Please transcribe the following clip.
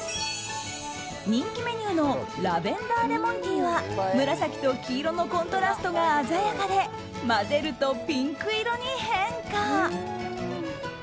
人気メニューのラベンダーレモンティーは紫と黄色のコントラストが鮮やかで混ぜるとピンク色に変化。